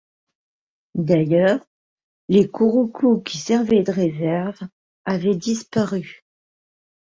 D’ailleurs, les couroucous qui servaient de réserve avaient disparu